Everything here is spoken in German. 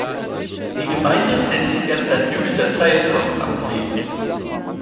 Die Gemeinde nennt sich erst seit jüngster Zeit "Lochen am See".